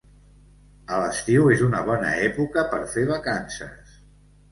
A l'estiu és una bona època per fer vacances.